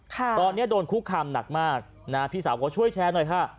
ตอนนี้โดนคุกคามหนักมากนะฮะพี่สาวก็ช่วยแชร์หน่อยค่ะ